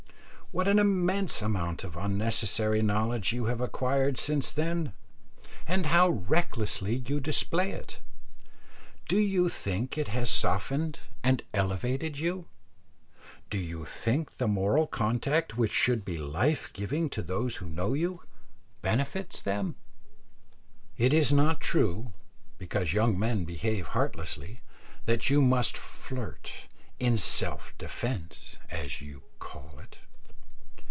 What an immense amount of unnecessary knowledge you have acquired since then, and how recklessly you display it! Do you think it has softened and elevated you? Do you think the moral contact which should be life giving to those who know you, benefits them? It is not true, because young men behave heartlessly, that you must flirt "in self defence," as you call it.